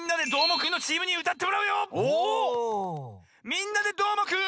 「みんなＤＥどーもくん！」。